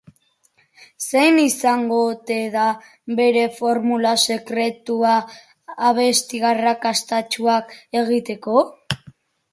Zein izango ote da bere formula sekretua abesti arrakastatsuak egiteko?